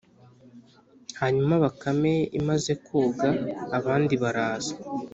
hanyuma bakame imaze koga, abandi baraza